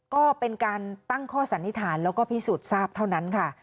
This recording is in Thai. ก็เป็นการตั้งข้อสันนิษฐานแล้วก็พิสูจน์ทราบเท่านั้นค่ะ